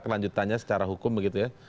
kelanjutannya secara hukum begitu ya